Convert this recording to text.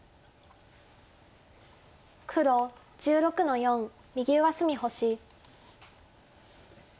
黒１６の四右上隅星。